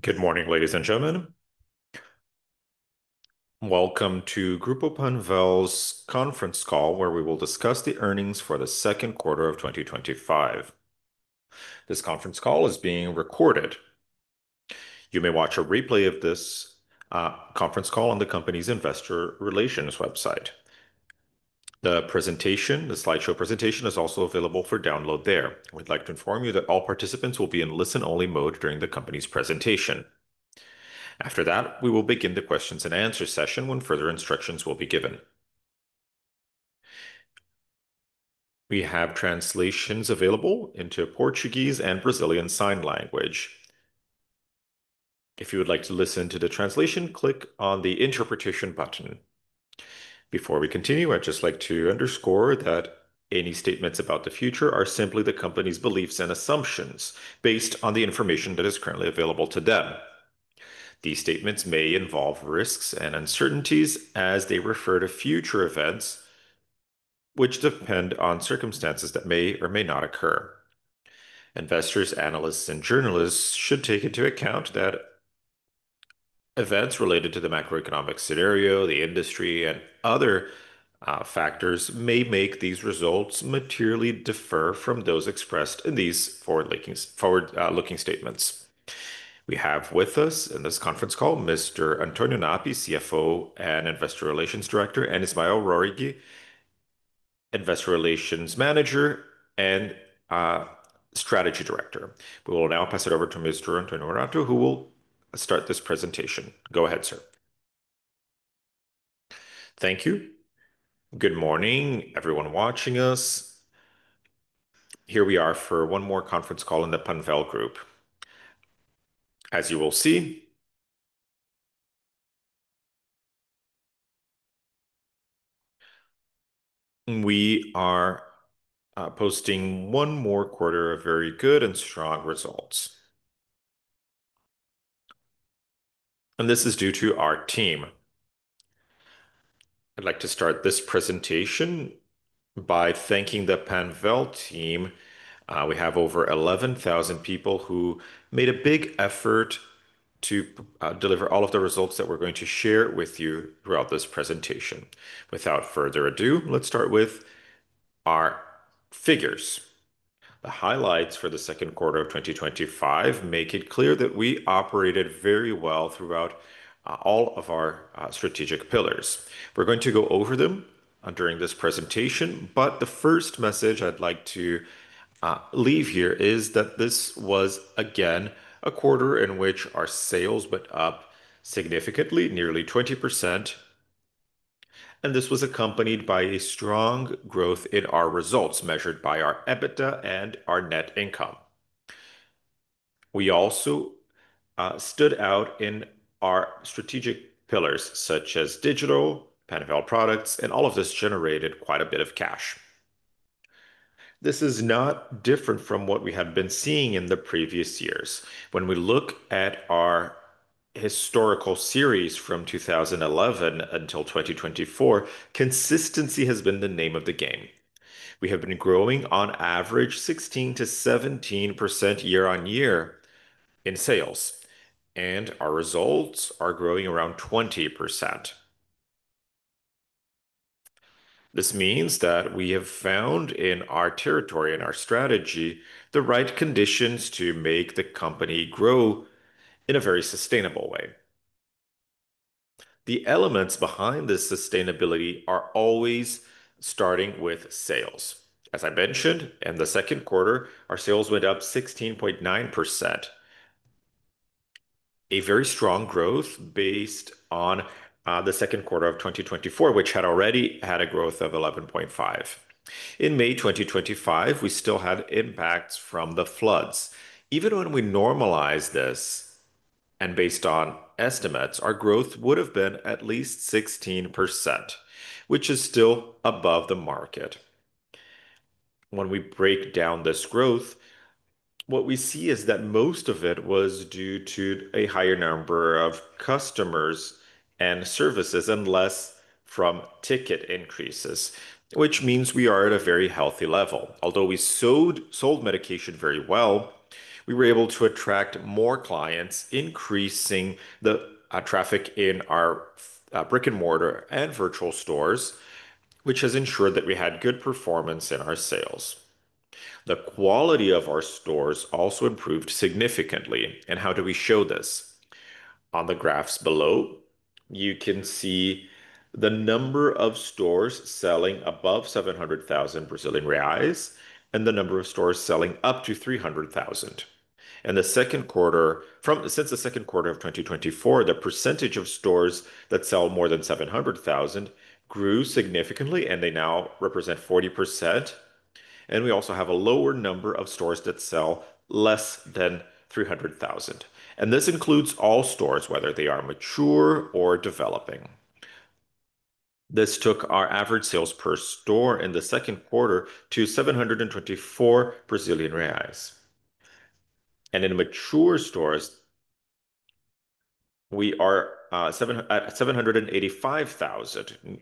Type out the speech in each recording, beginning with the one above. Good morning, ladies and gentlemen. Welcome to Group of Panvel's Conference Call where we will discuss the earnings for the second quarter of 2025. This conference call is being recorded. You may watch a replay of this conference call on the company's investor relations website. The slideshow presentation is also available for download there. We'd like to inform you that all participants will be in listen-only mode during the company's presentation. After that, we will begin the questions and answer session when further instructions will be given. We have translations available in Portuguese and Brazilian sign language. If you would like to listen to the translation, click on the interpretation button. Before we continue, I'd just like to underscore that any statements about the future are simply the company's beliefs and assumptions based on the information that is currently available to them. These statements may involve risks and uncertainties as they refer to future events, which depend on circumstances that may or may not occur. Investors, analysts, and journalists should take into account that events related to the macroeconomic scenario, the industry, and other factors may make these results materially differ from those expressed in these forward-looking statements. We have with us in this conference call Mr. Antonio Napp, CFO and Investor Relations Director, and Ismael Röhrig, Investor Relations Manager and Strategy Director. We will now pass it over to Mr. Antonio Napp, who will start this presentation. Go ahead, sir. Thank you. Good morning, everyone watching us. Here we are for one more conference call in the Panvel Group. As you will see, we are posting one more quarter of very good and strong results. This is due to our team. I'd like to start this presentation by thanking the Panvel team. We have over 11,000 people who made a big effort to deliver all of the results that we're going to share with you throughout this presentation. Without further ado, let's start with our figures. The highlights for the second quarter of 2025 make it clear that we operated very well throughout all of our strategic pillars. We're going to go over them during this presentation, but the first message I'd like to leave here is that this was, again, a quarter in which our sales went up significantly, nearly 20%. This was accompanied by a strong growth in our results measured by our EBITDA and our net income. We also stood out in our strategic pillars such as digital, Panvel products, and all of this generated quite a bit of cash. This is not different from what we have been seeing in the previous years. When we look at our historical series from 2011 until 2024, consistency has been the name of the game. We have been growing on average 16%-17% year-on-year in sales, and our results are growing around 20%. This means that we have found in our territory and our strategy the right conditions to make the company grow in a very sustainable way. The elements behind this sustainability are always starting with sales. As I mentioned, in the second quarter, our sales went up 16.9%. A very strong growth based on the second quarter of 2024, which had already had a growth of 11.5%. In May 2024, we still had impacts from the floods. Even when we normalized this, and based on estimates, our growth would have been at least 16%, which is still above the market. When we break down this growth, what we see is that most of it was due to a higher number of customers and services and less from ticket increases, which means we are at a very healthy level. Although we sold medication very well, we were able to attract more clients, increasing the traffic in our brick-and-mortar and virtual stores, which has ensured that we had good performance in our sales. The quality of our stores also improved significantly. How do we show this? On the graphs below, you can see the number of stores selling above 700,000 Brazilian reais and the number of stores selling up to 300,000. In the second quarter, since the second quarter of 2024, the percentage of stores that sell more than 700,000 grew significantly, and they now represent 40%. We also have a lower number of stores that sell less than RBRL 300,000. This includes all stores, whether they are mature or developing. This took our average sales per store in the second quarter to 724,000 Brazilian reais. In mature stores, we are 785,000.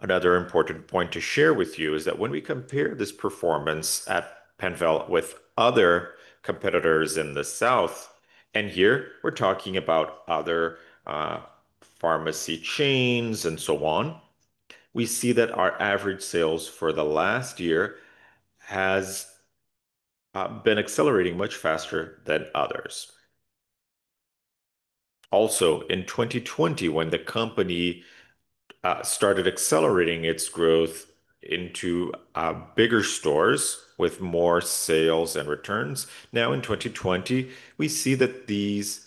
Another important point to share with you is that when we compare this performance at Panvel with other competitors in the South, and here we're talking about other pharmacy chains and so on, we see that our average sales for the last year have been accelerating much faster than others. Also, in 2020, when the company started accelerating its growth into bigger stores with more sales and returns, now in 2020, we see that these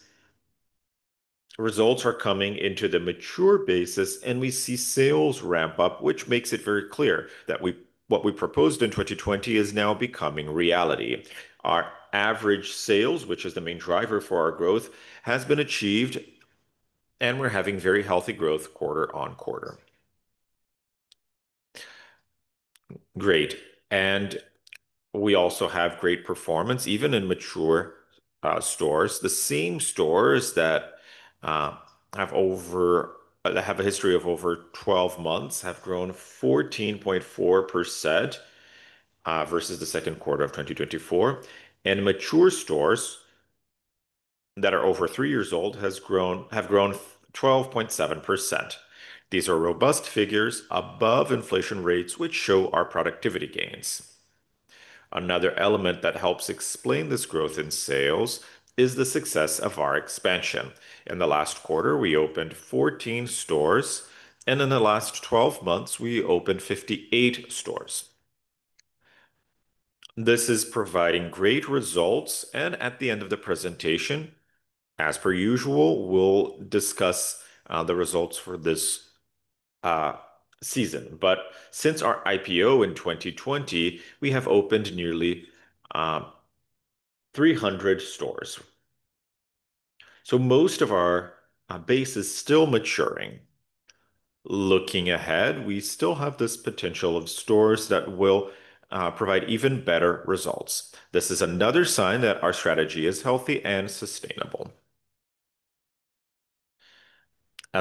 results are coming into the mature basis, and we see sales ramp up, which makes it very clear that what we proposed in 2020 is now becoming reality. Our average sales, which is the main driver for our growth, has been achieved, and we're having very healthy growth quarter on quarter. We also have great performance even in mature stores. The same stores that have a history of over 12 months have grown 14.4% versus the second quarter of 2024. Mature stores that are over three years old have grown 12.7%. These are robust figures above inflation rates, which show our productivity gains. Another element that helps explain this growth in sales is the success of our expansion. In the last quarter, we opened 14 stores, and in the last 12 months, we opened 58 stores. This is providing great results, and at the end of the presentation, as per usual, we'll discuss the results for this season. Since our IPO in 2020, we have opened nearly 300 stores. Most of our base is still maturing. Looking ahead, we still have this potential of stores that will provide even better results. This is another sign that our strategy is healthy and sustainable.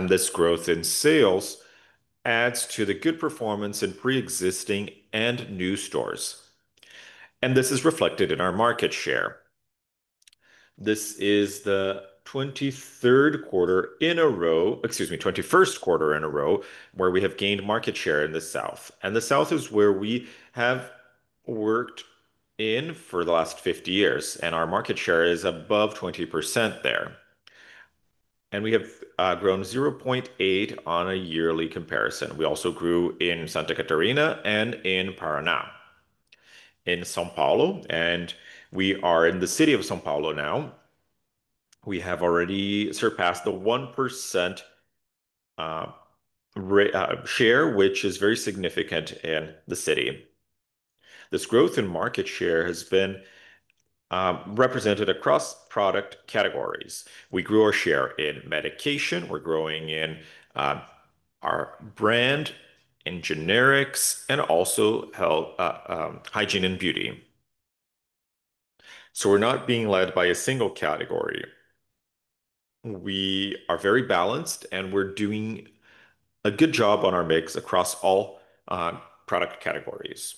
This growth in sales adds to the good performance in pre-existing and new stores. This is reflected in our market share. This is the 21st quarter in a row where we have gained market share in the South. The South is where we have worked in for the last 50 years, and our market share is above 20% there. We have grown 0.8% on a yearly comparison. We also grew in Santa Catarina and in Paraná. In São Paulo, and we are in the city of São Paulo now, we have already surpassed the 1% share, which is very significant in the city. This growth in market share has been represented across product categories. We grew our share in medication. We're growing in our brand and generics, and also hygiene and beauty. We're not being led by a single category. We are very balanced, and we're doing a good job on our mix across all product categories.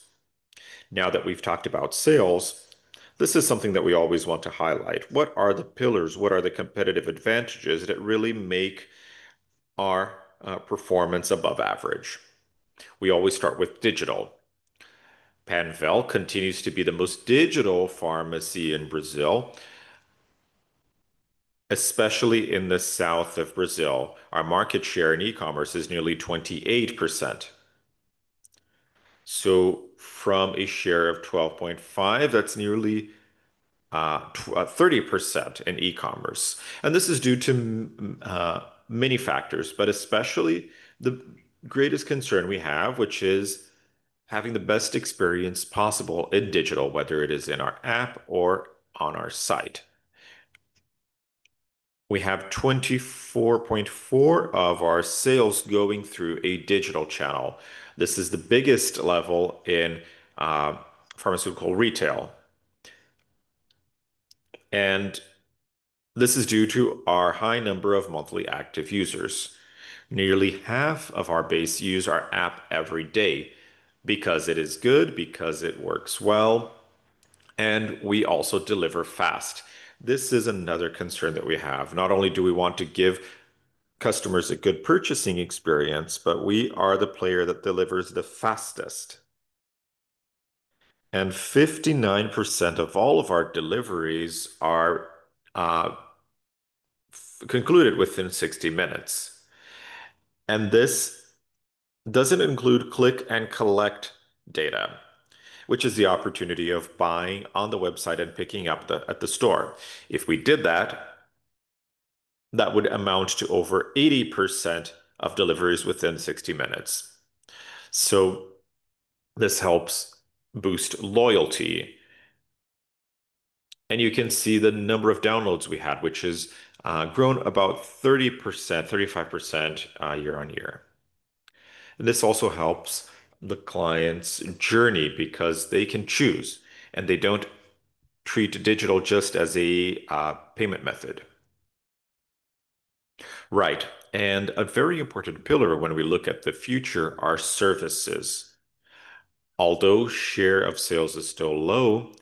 Now that we've talked about sales, this is something that we always want to highlight. What are the pillars? What are the competitive advantages that really make our performance above average? We always start with digital. Panvel continues to be the most digital pharmacy in Brazil, especially in the South of Brazil. Our market share in e-commerce is nearly 28%. From a share of 12.5%, that's nearly 30% in e-commerce. This is due to many factors, but especially the greatest concern we have, which is having the best experience possible in digital, whether it is in our app or on our site. We have 24.4% of our sales going through a digital channel. This is the biggest level in pharmaceutical retail. This is due to our high number of monthly active users. Nearly half of our base use our app every day because it is good, because it works well, and we also deliver fast. This is another concern that we have. Not only do we want to give customers a good purchasing experience, we are the player that delivers the fastest. 59% of all of our deliveries are concluded within 60 minutes. This does not include click and collect data, which is the opportunity of buying on the website and picking up at the store. If we did that, that would amount to over 80% of deliveries within 60 minutes. This helps boost loyalty. You can see the number of downloads we had, which has grown about 30%, 35% year-on-year. This also helps the client's journey because they can choose, and they do not treat digital just as a payment method. A very important pillar when we look at the future are services. Although the share of sales is still low,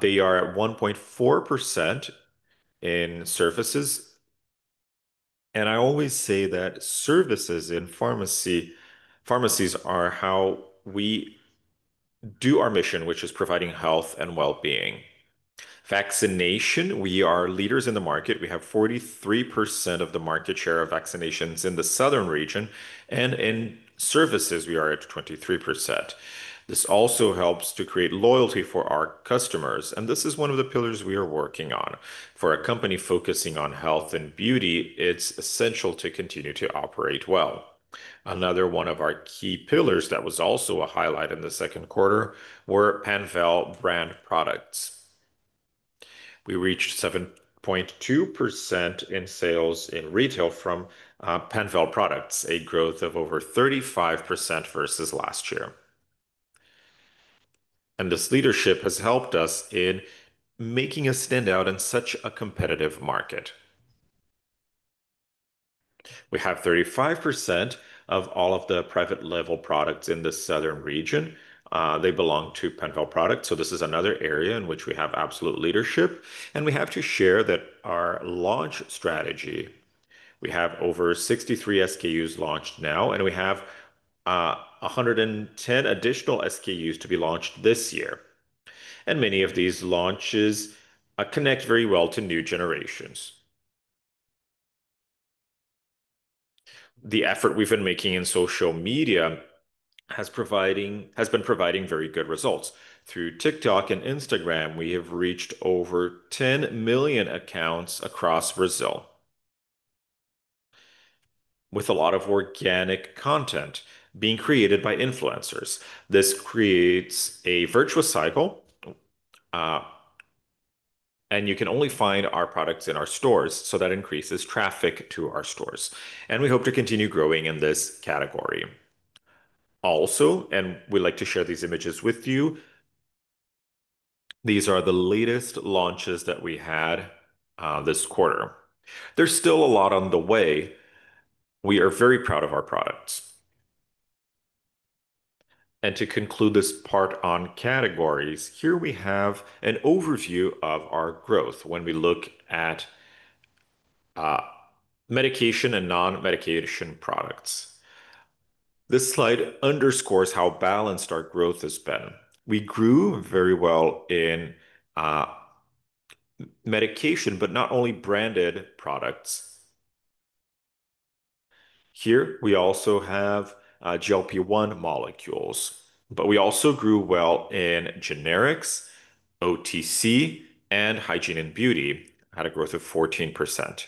they are at 1.4% in services. I always say that services in pharmacies are how we do our mission, which is providing health and well-being. Vaccination, we are leaders in the market. We have 43% of the market share of vaccinations in the southern region, and in services, we are at 23%. This also helps to create loyalty for our customers, and this is one of the pillars we are working on. For a company focusing on health and beauty, it is essential to continue to operate well. Another one of our key pillars that was also a highlight in the second quarter were Panvel brand products. We reached 7.2% in sales in retail from Panvel products, a growth of over 35% versus last year. This leadership has helped us in making us stand out in such a competitive market. We have 35% of all of the private label products in the southern region. They belong to Panvel products. This is another area in which we have absolute leadership. We have to share that our launch strategy, we have over 63 SKUs launched now, and we have 110 additional SKUs to be launched this year. Many of these launches connect very well to new generations. The effort we've been making in social media has been providing very good results. Through TikTok and Instagram, we have reached over 10 million accounts across Brazil, with a lot of organic content being created by influencers. This creates a virtuous cycle, and you can only find our products in our stores, so that increases traffic to our stores. We hope to continue growing in this category. Also, we'd like to share these images with you. These are the latest launches that we had this quarter. There's still a lot on the way. We are very proud of our products. To conclude this part on categories, here we have an overview of our growth when we look at medication and non-medication products. This slide underscores how balanced our growth has been. We grew very well in medication, but not only branded products. Here, we also have GLP-1 molecules, but we also grew well in generics, OTC, and hygiene and beauty. We had a growth of 14%.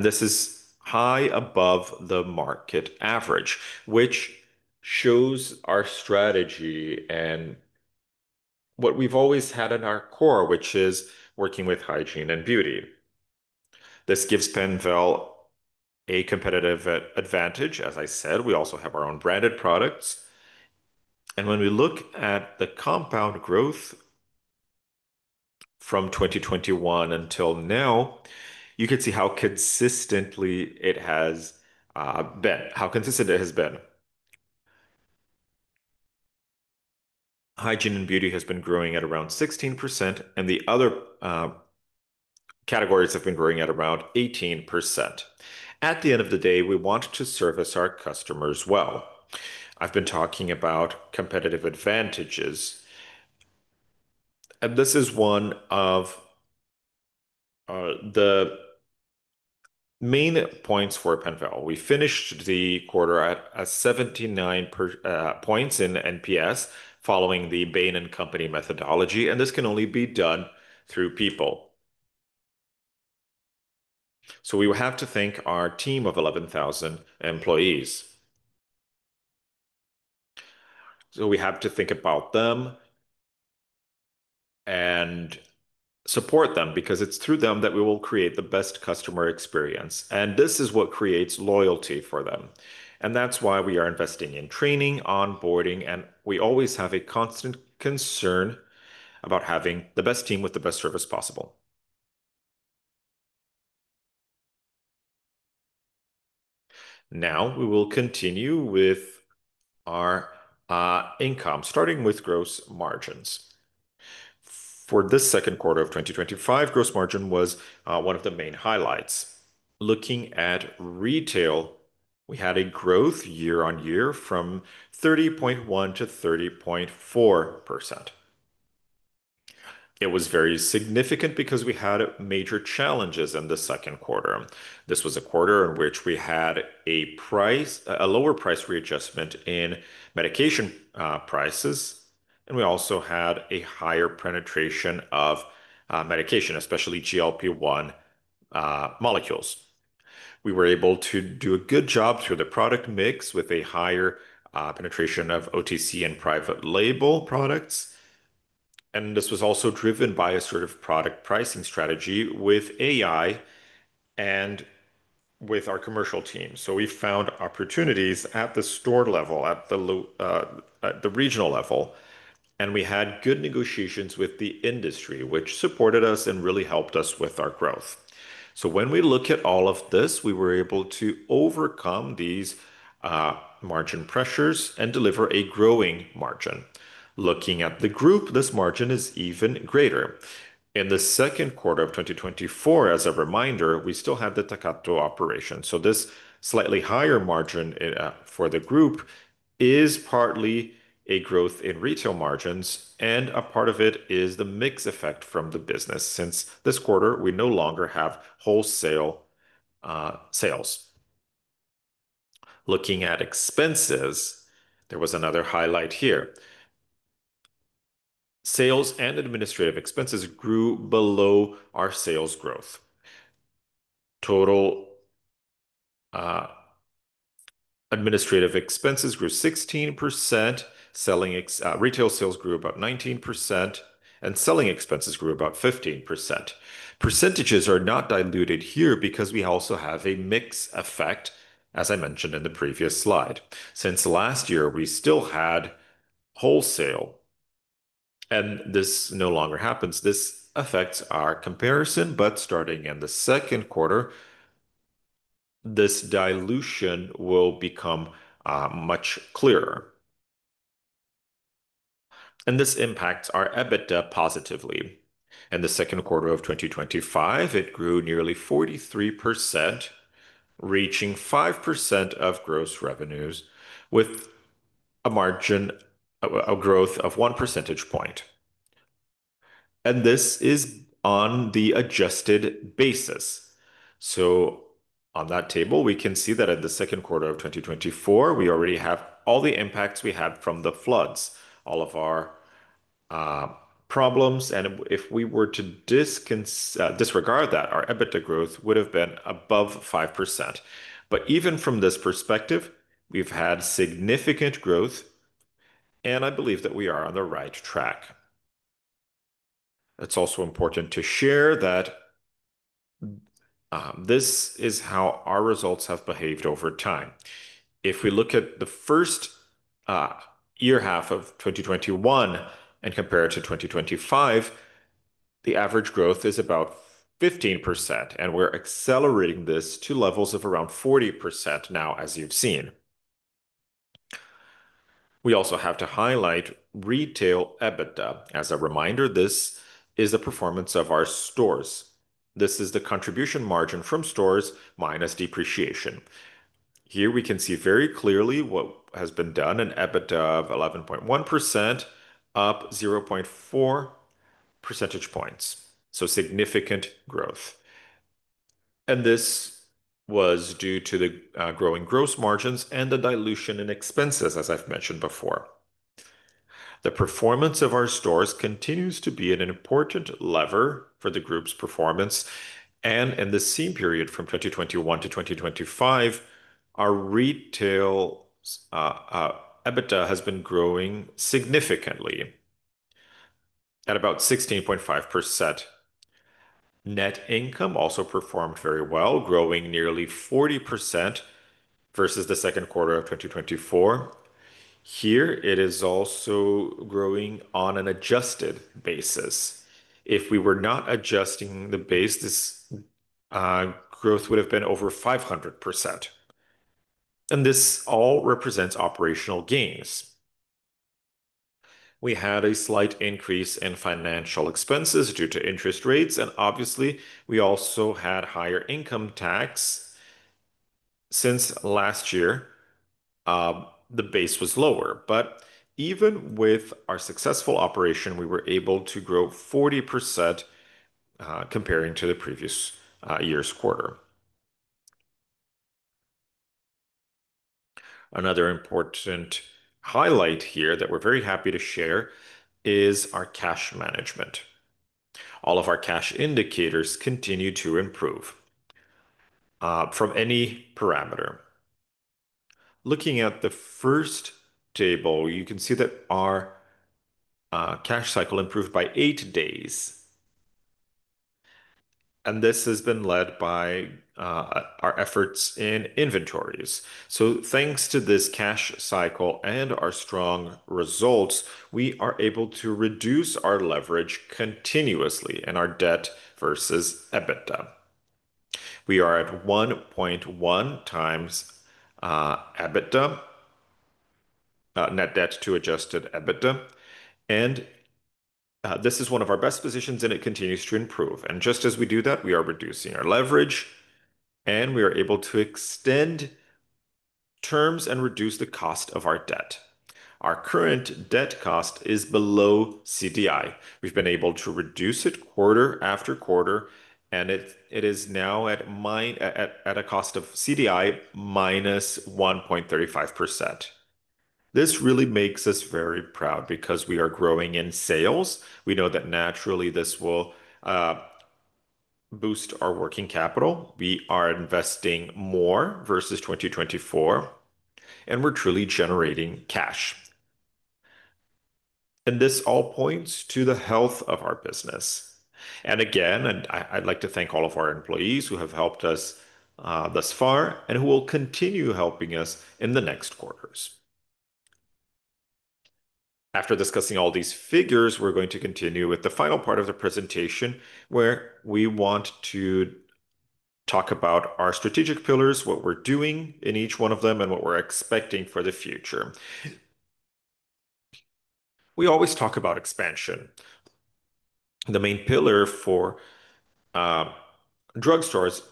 This is high above the market average, which shows our strategy and what we've always had in our core, which is working with hygiene and beauty. This gives Panvel a competitive advantage. As I said, we also have our own branded products. When we look at the compound growth from 2021 until now, you can see how consistent it has been. Hygiene and beauty has been growing at around 16%, and the other categories have been growing at around 18%. At the end of the day, we want to service our customers well. I've been talking about competitive advantages, and this is one of the main points for Panvel. We finished the quarter at 79 points in NPS following the Bain & Company methodology, and this can only be done through people. We have to thank our team of 11,000 employees. We have to think about them and support them because it's through them that we will create the best customer experience. This is what creates loyalty for them. That's why we are investing in training, onboarding, and we always have a constant concern about having the best team with the best service possible. Now we will continue with our income, starting with gross margins. For this second quarter of 2025, gross margin was one of the main highlights. Looking at retail, we had a growth year-on-year from 30.1%-30.4%. It was very significant because we had major challenges in the second quarter. This was a quarter in which we had a lower price readjustment in medication prices, and we also had a higher penetration of medication, especially GLP-1 molecules. We were able to do a good job through the product mix with a higher penetration of OTC and private label products. This was also driven by a sort of product pricing strategy with AI and with our commercial team. We found opportunities at the store level, at the regional level, and we had good negotiations with the industry, which supported us and really helped us with our growth. When we look at all of this, we were able to overcome these margin pressures and deliver a growing margin. Looking at the group, this margin is even greater. In the second quarter of 2024, as a reminder, we still had the Takato operation. This slightly higher margin for the group is partly a growth in retail margins, and a part of it is the mix effect from the business since this quarter we no longer have wholesale sales. Looking at expenses, there was another highlight here. Sales and administrative expenses grew below our sales growth. Total administrative expenses grew 16%, retail sales grew about 19%, and selling expenses grew about 15%. Percentages are not diluted here because we also have a mix effect, as I mentioned in the previous slide. Since last year, we still had wholesale, and this no longer happens. This affects our comparison, but starting in the second quarter, this dilution will become much clearer. This impacts our EBITDA positively. In the second quarter of 2025, it grew nearly 43%, reaching 5% of gross revenues with a growth of one percentage point. This is on the adjusted basis. On that table, we can see that in the second quarter of 2024, we already have all the impacts we had from the floods, all of our problems, and if we were to disregard that, our EBITDA growth would have been above 5%. Even from this perspective, we've had significant growth, and I believe that we are on the right track. It's also important to share that this is how our results have behaved over time. If we look at the first half of 2021 and compare it to 2025, the average growth is about 15%, and we're accelerating this to levels of around 40% now, as you've seen. We also have to highlight retail EBITDA. As a reminder, this is the performance of our stores. This is the contribution margin from stores minus depreciation. Here we can see very clearly what has been done, an EBITDA of 11.1%, up 0.4%. Significant growth. This was due to the growing gross margins and the dilution in expenses, as I've mentioned before. The performance of our stores continues to be an important lever for the group's performance, and in the same period from 2021-2025, our retail EBITDA has been growing significantly at about 16.5%. Net income also performed very well, growing nearly 40% versus the second quarter of 2024. Here it is also growing on an adjusted basis. If we were not adjusting the base, this growth would have been over 500%. This all represents operational gains. We had a slight increase in financial expenses due to interest rates, and obviously, we also had higher income tax. Since last year, the base was lower, but even with our successful operation, we were able to grow 40% comparing to the previous year's quarter. Another important highlight here that we're very happy to share is our cash management. All of our cash indicators continue to improve from any parameter. Looking at the first table, you can see that our cash cycle improved by eight days. This has been led by our efforts in inventories. Thanks to this cash cycle and our strong results, we are able to reduce our leverage continuously in our debt versus EBITDA. We are at 1.1x net debt to adjusted EBITDA, and this is one of our best positions, and it continues to improve. Just as we do that, we are reducing our leverage, and we are able to extend terms and reduce the cost of our debt. Our current debt cost is below CDI. We've been able to reduce it quarter after quarter, and it is now at a cost of CDI -1.35%. This really makes us very proud because we are growing in sales. We know that naturally this will boost our working capital. We are investing more versus 2024, and we're truly generating cash. This all points to the health of our business. Again, I'd like to thank all of our employees who have helped us thus far and who will continue helping us in the next quarters. After discussing all these figures, we're going to continue with the final part of the presentation where we want to talk about our strategic pillars, what we're doing in each one of them, and what we're expecting for the future. We always talk about expansion. The main pillar for drug stores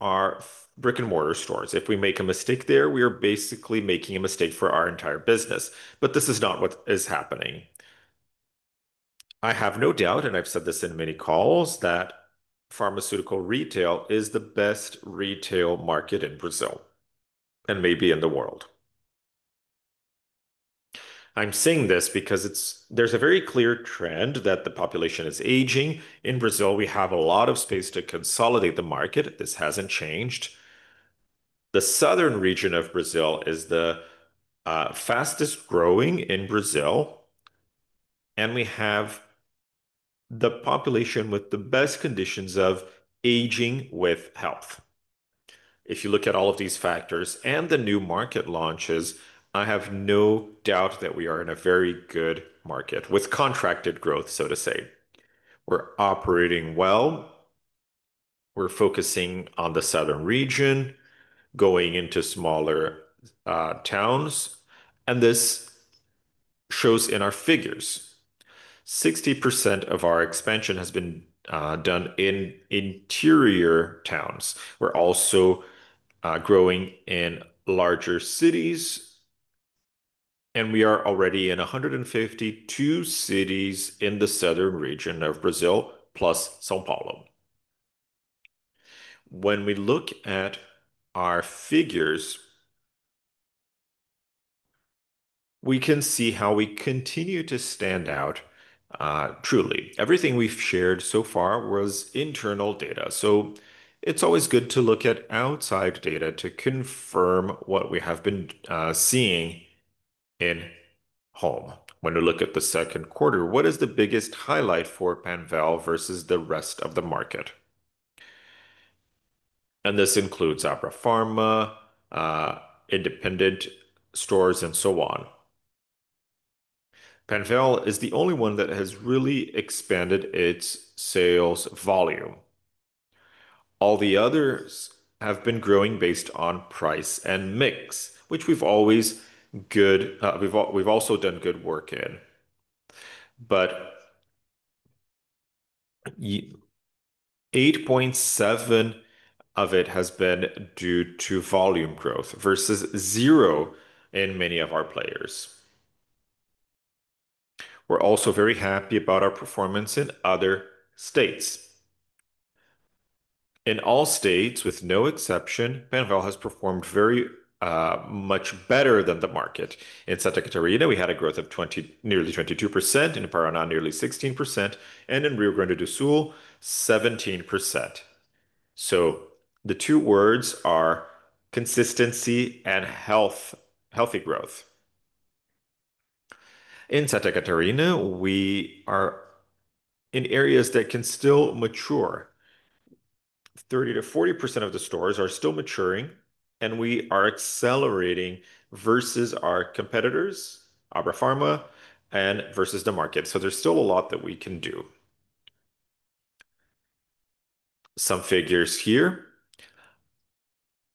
are brick-and-mortar stores. If we make a mistake there, we are basically making a mistake for our entire business. This is not what is happening. I have no doubt, and I've said this in many calls, that pharmaceutical retail is the best retail market in Brazil and maybe in the world. I'm saying this because there's a very clear trend that the population is aging. In Brazil, we have a lot of space to consolidate the market. This hasn't changed. The South of Brazil is the fastest growing in Brazil, and we have the population with the best conditions of aging with health. If you look at all of these factors and the new market launches, I have no doubt that we are in a very good market with contracted growth, so to say. We're operating well. We're focusing on the South of Brazil, going into smaller towns, and this shows in our figures. 60% of our expansion has been done in interior towns. We're also growing in larger cities, and we are already in 152 cities in the South of Brazil, plus São Paulo. When we look at our figures, we can see how we continue to stand out truly. Everything we've shared so far was internal data. It's always good to look at outside data to confirm what we have been seeing in home. When we look at the second quarter, what is the biggest highlight for Panvel versus the rest of the market? This includes AbraFarma, independent stores, and so on. Panvel is the only one that has really expanded its sales volume. All the others have been growing based on price and mix, which we've always done good work in. 8.7% of it has been due to volume growth versus zero in many of our players. We're also very happy about our performance in other states. In all states, with no exception, Panvel has performed very much better than the market. In Santa Catarina, we had a growth of nearly 22%, in Paraná nearly 16%, and in Rio Grande do Sul, 17%. The two words are consistency and healthy growth. In Santa Catarina, we are in areas that can still mature. 30%-40% of the stores are still maturing, and we are accelerating versus our competitors, AbraPharma, and versus the market. There's still a lot that we can do. Some figures here.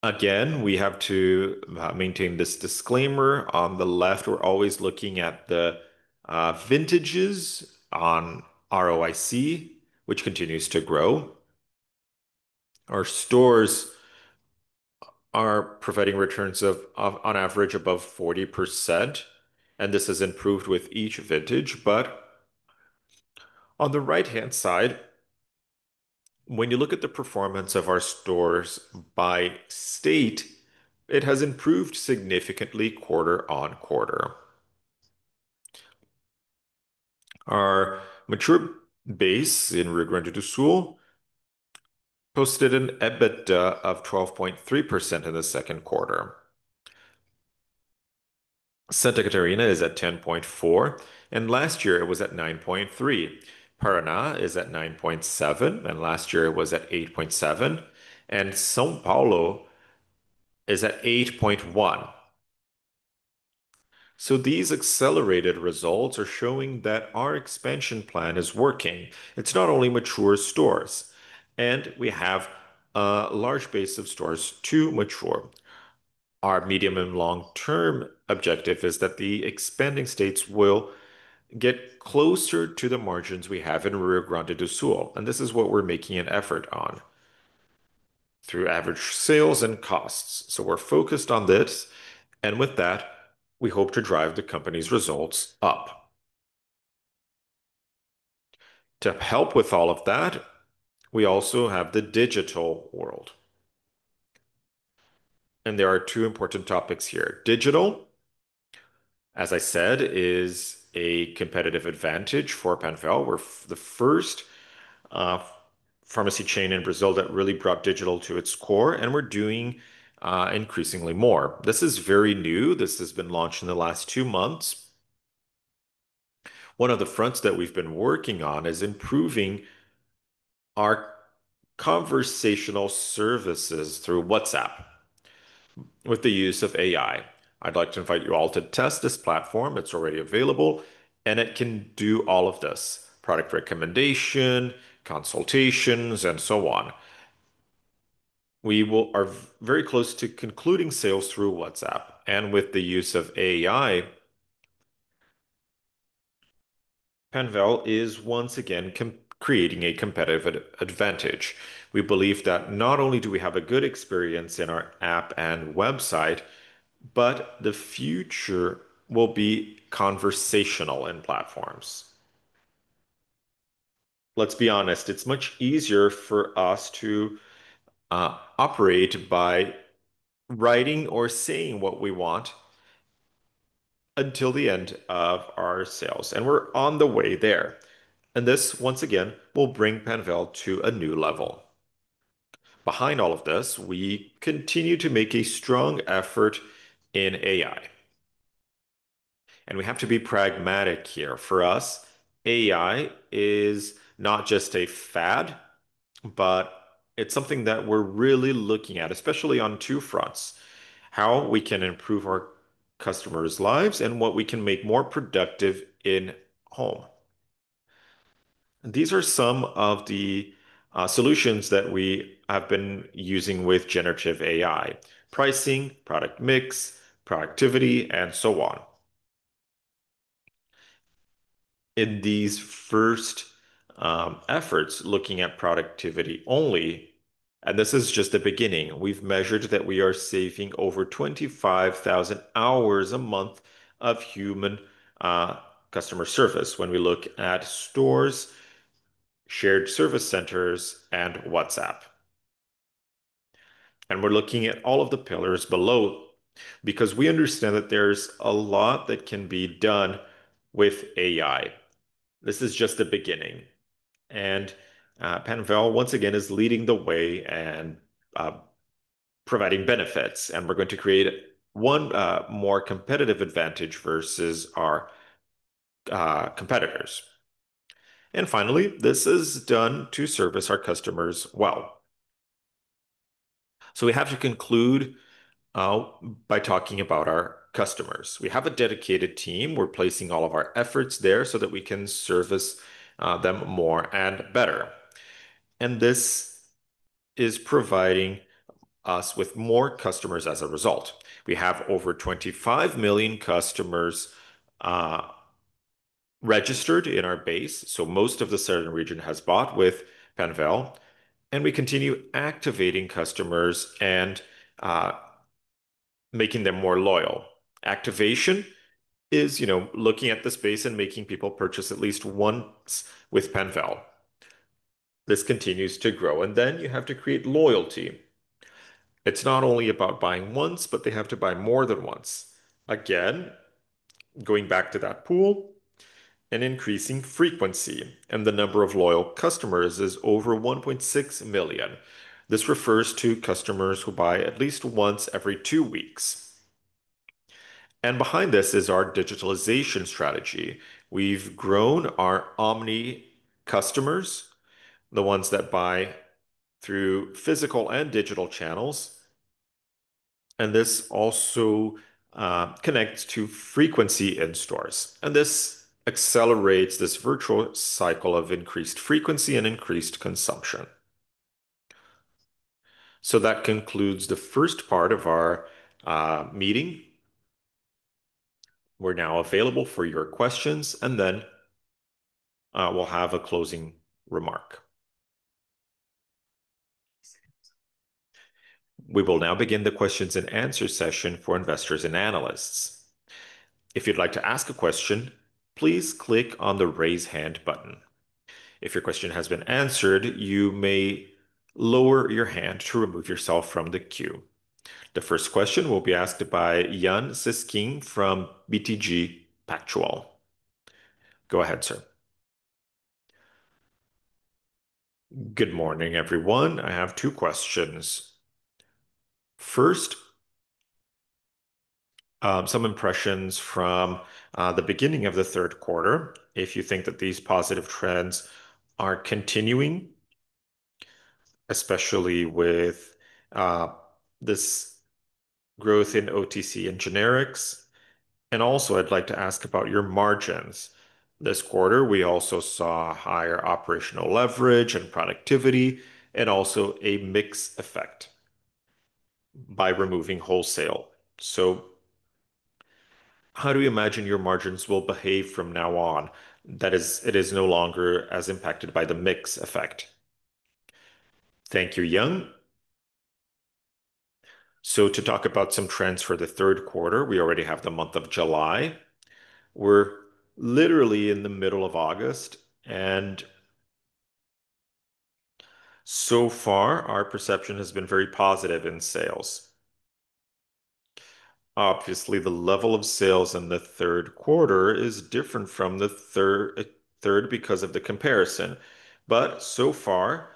Again, we have to maintain this disclaimer on the left. We're always looking at the vintages on ROIC, which continues to grow. Our stores are providing returns of, on average, above 40%, and this has improved with each vintage. On the right-hand side, when you look at the performance of our stores by state, it has improved significantly quarter on quarter. Our mature base in Rio Grande do Sul posted an EBITDA of 12.3% in the second quarter. Santa Catarina is at 10.4%, and last year it was at 9.3%. Paraná is at 9.7%, and last year it was at 8.7%, and São Paulo is at 8.1%. These accelerated results are showing that our expansion plan is working. It's not only mature stores, and we have a large base of stores to mature. Our medium and long-term objective is that the expanding states will get closer to the margins we have in Rio Grande do Sul, and this is what we're making an effort on through average sales and costs. We're focused on this, and with that, we hope to drive the company's results up. To help with all of that, we also have the digital world. There are two important topics here. Digital, as I said, is a competitive advantage for Panvel. We're the first pharmacy chain in Brazil that really brought digital to its core, and we're doing increasingly more. This is very new. This has been launched in the last two months. One of the fronts that we've been working on is improving our conversational services through WhatsApp with the use of AI. I'd like to invite you all to test this platform. It's already available, and it can do all of this: product recommendation, consultations, and so on. We are very close to concluding sales through WhatsApp, and with the use of AI, Panvel is once again creating a competitive advantage. We believe that not only do we have a good experience in our app and website, but the future will be conversational in platforms. Let's be honest. It's much easier for us to operate by writing or saying what we want until the end of our sales, and we're on the way there. This, once again, will bring Panvel to a new level. Behind all of this, we continue to make a strong effort in AI, and we have to be pragmatic here. For us, AI is not just a fad, but it's something that we're really looking at, especially on two fronts: how we can improve our customers' lives and what we can make more productive in home. These are some of the solutions that we have been using with generative AI: pricing, product mix, productivity, and so on. In these first efforts, looking at productivity only, and this is just the beginning, we've measured that we are saving over 25,000 hours a month of human customer service when we look at stores, shared service centers, and WhatsApp. We're looking at all of the pillars below because we understand that there's a lot that can be done with AI. This is just the beginning, and Panvel, once again, is leading the way and providing benefits, and we're going to create one more competitive advantage versus our competitors. Finally, this is done to service our customers well. We have to conclude by talking about our customers. We have a dedicated team. We're placing all of our efforts there so that we can service them more and better. This is providing us with more customers as a result. We have over 25 million customers registered in our base, so most of the southern region has bought with Panvel, and we continue activating customers and making them more loyal. Activation is, you know, looking at the space and making people purchase at least one with Panvel. This continues to grow, and then you have to create loyalty. It's not only about buying once, but they have to buy more than once. Again, going back to that pool and increasing frequency, and the number of loyal customers is over 1.6 million. This refers to customers who buy at least once every two weeks. Behind this is our digitalization strategy. We've grown our omni-customers, the ones that buy through physical and digital channels, and this also connects to frequency in stores. This accelerates this virtual cycle of increased frequency and increased consumption. That concludes the first part of our meeting. We're now available for your questions, and then we'll have a closing remark. We will now begin the questions and answer session for investors and analysts. If you'd like to ask a question, please click on the raise hand button. If your question has been answered, you may lower your hand to remove yourself from the queue. The first question will be asked by Yan Cesquim from BTG Pactual. Go ahead, sir. Good morning, everyone. I have two questions. First, some impressions from the beginning of the third quarter. If you think that these positive trends are continuing, especially with this growth in OTC and generics, and also, I'd like to ask about your margins. This quarter, we also saw higher operational leverage and productivity and also a mix effect by removing wholesale. How do you imagine your margins will behave from now on? That is, it is no longer as impacted by the mix effect. Thank you, Yan. To talk about some trends for the third quarter, we already have the month of July. We're literally in the middle of August, and so far, our perception has been very positive in sales. Obviously, the level of sales in the third quarter is different from the third because of the comparison. So far,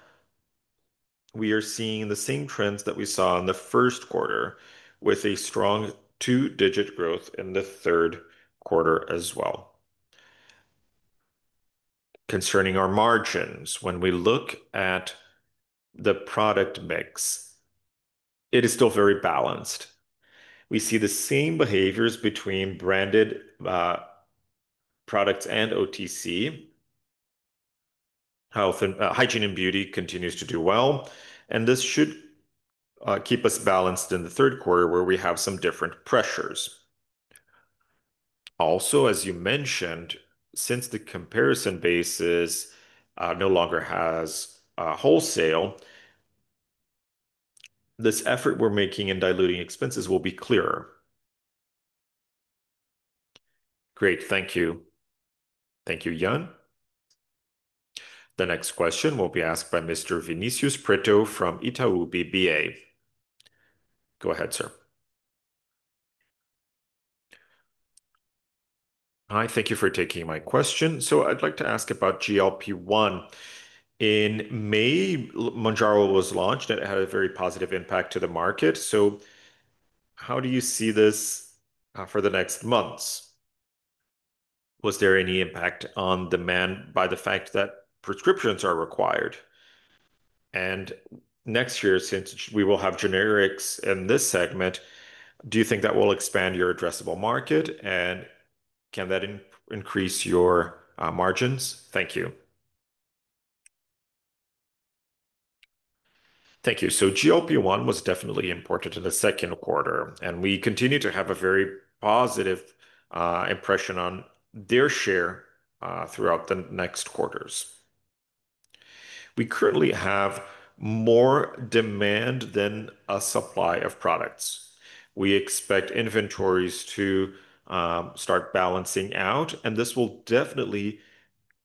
we are seeing the same trends that we saw in the first quarter, with a strong two-digit growth in the third quarter as well. Concerning our margins, when we look at the product mix, it is still very balanced. We see the same behaviors between branded products and OTC. Hygiene and beauty continues to do well, and this should keep us balanced in the third quarter where we have some different pressures. Also, as you mentioned, since the comparison basis no longer has wholesale, this effort we're making in diluting expenses will be clearer. Great. Thank you. Thank you, Yan. The next question will be asked by Mr. Vinicius Pretto from Itaú BBA. Go ahead, sir. Hi. Thank you for taking my question. I'd like to ask about GLP-1. In May, Mounjaro was launched, and it had a very positive impact to the market. How do you see this for the next months? Was there any impact on demand by the fact that prescriptions are required? Next year, since we will have generics in this segment, do you think that will expand your addressable market, and can that increase your margins? Thank you. Thank you. GLP-1 was definitely important in the second quarter, and we continue to have a very positive impression on their share throughout the next quarters. We currently have more demand than a supply of products. We expect inventories to start balancing out, and this will definitely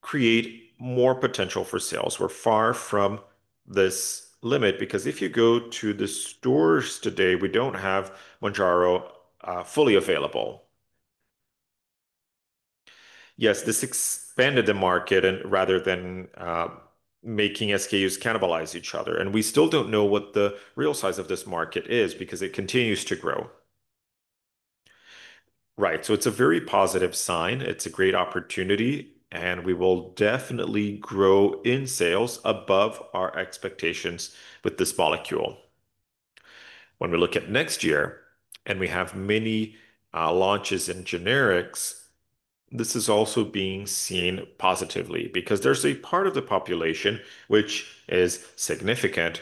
create more potential for sales. We're far from this limit because if you go to the stores today, we don't have Mounjaro fully available. Yes, this expanded the market rather than making SKUs cannibalize each other. We still don't know what the real size of this market is because it continues to grow. It's a very positive sign. It's a great opportunity, and we will definitely grow in sales above our expectations with this molecule. When we look at next year, and we have many launches in generics, this is also being seen positively because there's a part of the population, which is significant,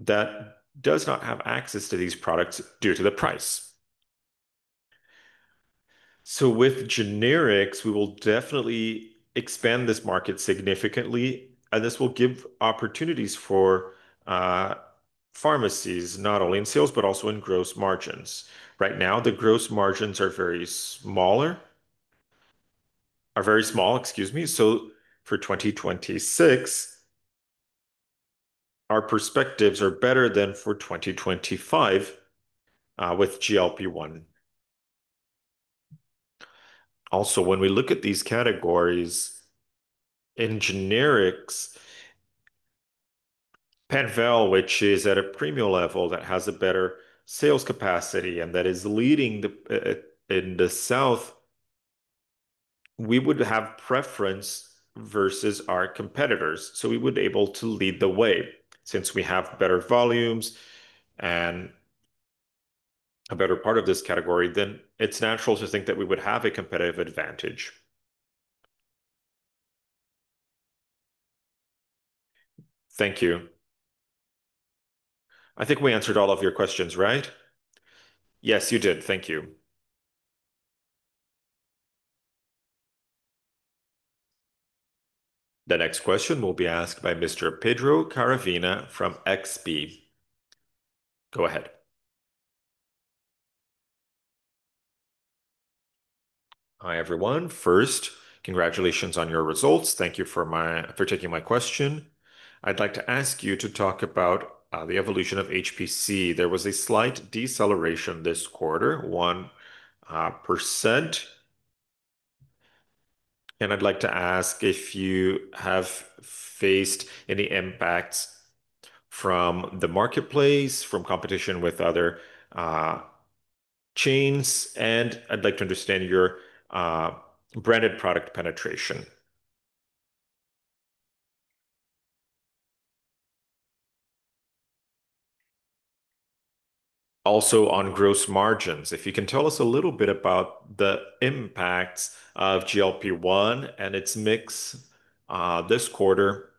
that does not have access to these products due to the price. With generics, we will definitely expand this market significantly, and this will give opportunities for pharmacies, not only in sales, but also in gross margins. Right now, the gross margins are very small. Excuse me. For 2026, our perspectives are better than for 2025 with GLP-1. Also, when we look at these categories in generics, Panvel, which is at a premium level that has a better sales capacity and that is leading in the South, we would have preference versus our competitors. We would be able to lead the way since we have better volumes and a better part of this category, then it's natural to think that we would have a competitive advantage. Thank you. I think we answered all of your questions, right? Yes, you did. Thank you. The next question will be asked by Mr. Pedro Caravina from XB. Go ahead. Hi, everyone. First, congratulations on your results. Thank you for taking my question. I'd like to ask you to talk about the evolution of HPC. There was a slight deceleration this quarter, 1%. I'd like to ask if you have faced any impacts from the marketplace, from competition with other chains, and I'd like to understand your branded product penetration. Also, on gross margins, if you can tell us a little bit about the impacts of GLP-1 and its mix this quarter,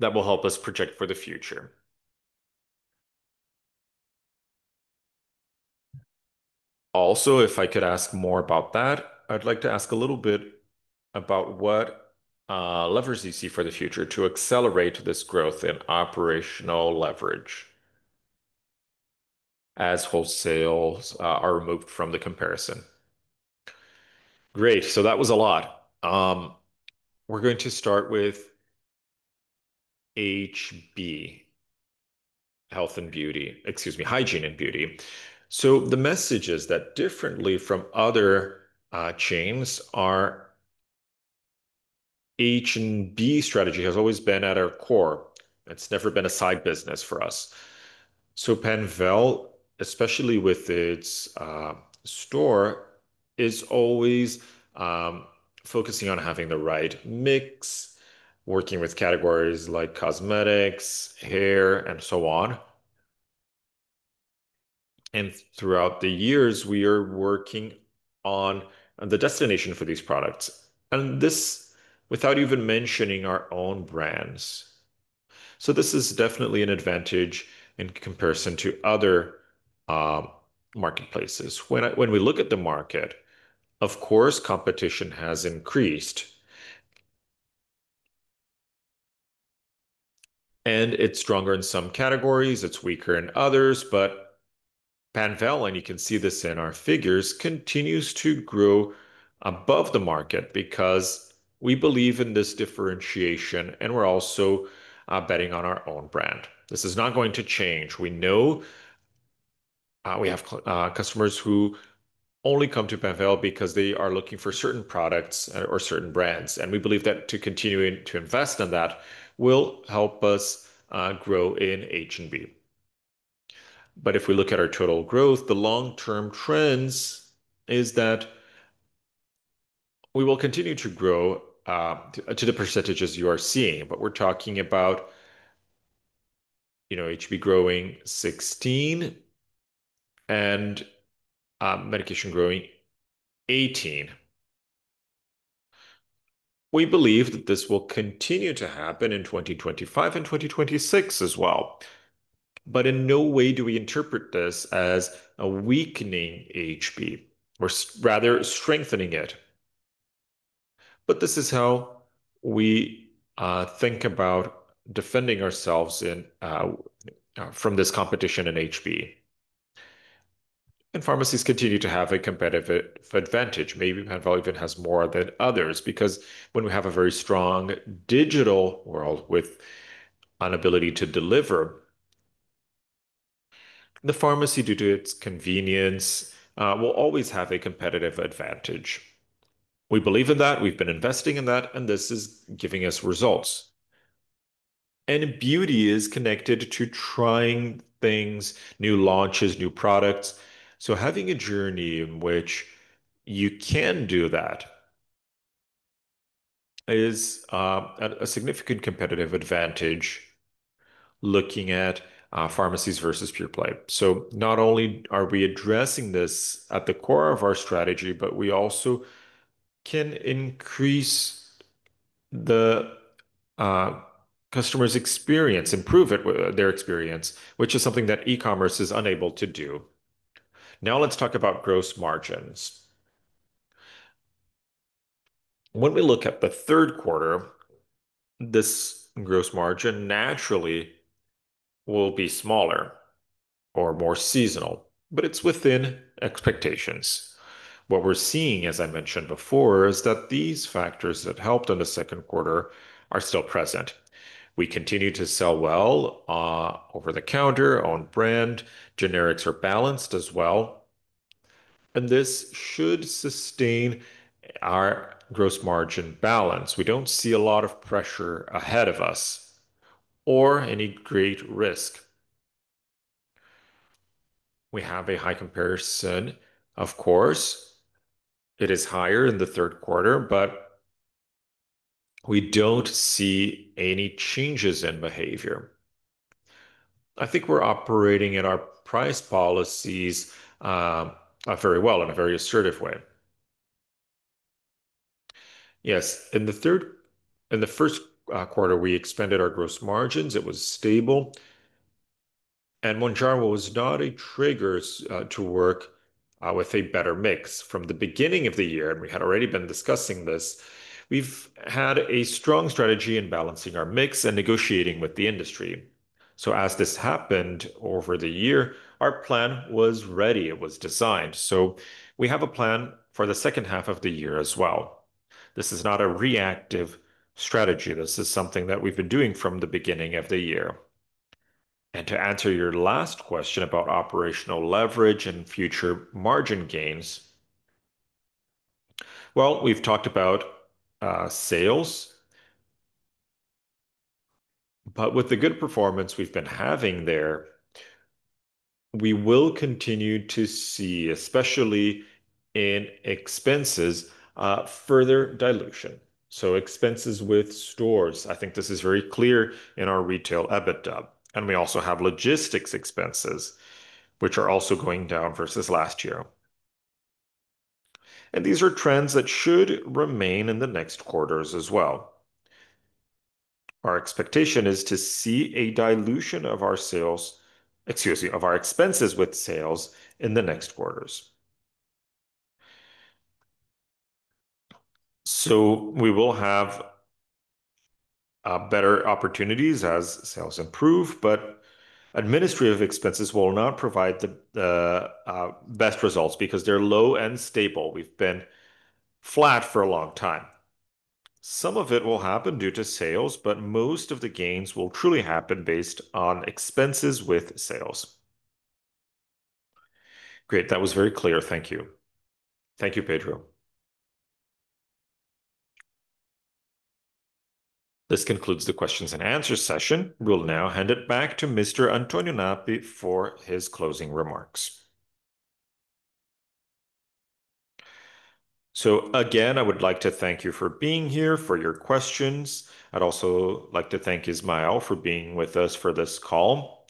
that will help us project for the future. If I could ask more about that, I'd like to ask a little bit about what leverage do you see for the future to accelerate this growth in operational leverage as wholesales are removed from the comparison. Great. That was a lot. We're going to start with HB, Health and Beauty. Excuse me, Hygiene and Beauty. The message is that differently from other chains, our H&B strategy has always been at our core. It's never been a side business for us. Panvel, especially with its store, is always focusing on having the right mix, working with categories like cosmetics, hair, and so on. Throughout the years, we are working on the destination for these products. This, without even mentioning our own brands, is definitely an advantage in comparison to other marketplaces. When we look at the market, of course, competition has increased, and it's stronger in some categories. It's weaker in others, but Panvel, and you can see this in our figures, continues to grow above the market because we believe in this differentiation, and we're also betting on our own brand. This is not going to change. We know we have customers who only come to Panvel because they are looking for certain products or certain brands, and we believe that continuing to invest in that will help us grow in H&B. If we look at our total growth, the long-term trends are that we will continue to grow to the percentages you are seeing, we're talking about HB growing 16% and medication growing 18%. We believe that this will continue to happen in 2025 and 2026 as well. In no way do we interpret this as a weakening HB or rather strengthening it. This is how we think about defending ourselves from this competition in HB. Pharmacies continue to have a competitive advantage. Maybe Panvel even has more than others because when we have a very strong digital world with an ability to deliver, the pharmacy, due to its convenience, will always have a competitive advantage. We believe in that. We've been investing in that, and this is giving us results. Beauty is connected to trying things, new launches, new products. Having a journey in which you can do that is a significant competitive advantage looking at pharmacies versus pure play. Not only are we addressing this at the core of our strategy, we also can increase the customer's experience, improve their experience, which is something that e-commerce is unable to do. Now let's talk about gross margins. When we look at the third quarter, this gross margin naturally will be smaller or more seasonal, but it's within expectations. What we're seeing, as I mentioned before, is that these factors that helped in the second quarter are still present. We continue to sell well, over the counter, own brand, generics are balanced as well, and this should sustain our gross margin balance. We don't see a lot of pressure ahead of us or any great risk. We have a high comparison, of course. It is higher in the third quarter, but we don't see any changes in behavior. I think we're operating in our price policies very well in a very assertive way. Yes. In the third and the first quarter, we expanded our gross margins. It was stable. Mounjaro was not a trigger to work with a better mix from the beginning of the year, and we had already been discussing this. We've had a strong strategy in balancing our mix and negotiating with the industry. As this happened over the year, our plan was ready. It was designed. We have a plan for the second half of the year as well. This is not a reactive strategy. This is something that we've been doing from the beginning of the year. To answer your last question about operational leverage and future margin gains, we've talked about sales. With the good performance we've been having there, we will continue to see, especially in expenses, further dilution. Expenses with stores, I think this is very clear in our retail EBITDA. We also have logistics expenses, which are also going down versus last year. These are trends that should remain in the next quarters as well. Our expectation is to see a dilution of our expenses with sales in the next quarters. We will have better opportunities as sales improve, but administrative expenses will not provide the best results because they're low and stable. We've been flat for a long time. Some of it will happen due to sales, but most of the gains will truly happen based on expenses with sales. Great. That was very clear. Thank you. Thank you, Pedro. This concludes the questions and answers session. We'll now hand it back to Mr. Antonio Napp for his closing remarks. Again, I would like to thank you for being here, for your questions. I'd also like to thank Ismael for being with us for this call.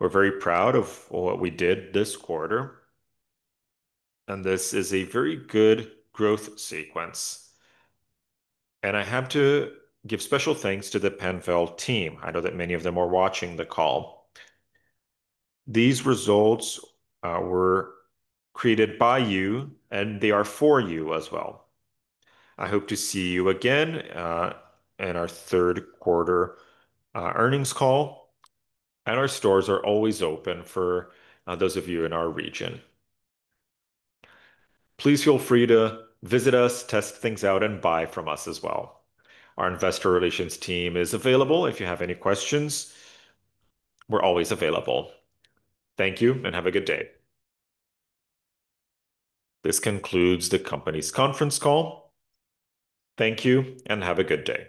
We're very proud of what we did this quarter, and this is a very good growth sequence. I have to give special thanks to the Panvel team. I know that many of them are watching the call. These results were created by you, and they are for you as well. I hope to see you again in our third quarter earnings call, and our stores are always open for those of you in our region. Please feel free to visit us, test things out, and buy from us as well. Our investor relations team is available. If you have any questions, we're always available. Thank you, and have a good day. This concludes the company's conference call. Thank you, and have a good day.